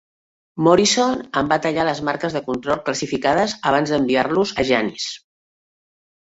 Morison en va tallar les marques de control classificades abans d'enviar-los a "Jane's".